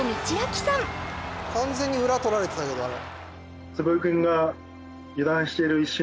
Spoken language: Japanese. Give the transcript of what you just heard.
完全に裏取られてたけどあれ。